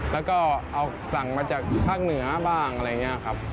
แล้วก็เอาสั่งมาจากภาคเหนือบ้างอะไรอย่างนี้ครับ